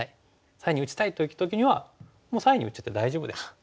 左辺に打ちたい時にはもう左辺に打っちゃって大丈夫です。